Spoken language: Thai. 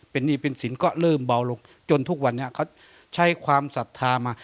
เป็นหนี้เป็นสินก็เริ่มเบาลงจนทุกวันนี้เขาใช้ความศรัทธามา